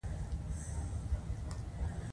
پتوجن فنګسونه د پوستکي د ناروغیو سبب کیږي.